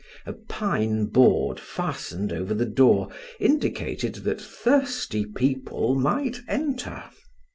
A pine board fastened over the door indicated that thirsty people might enter.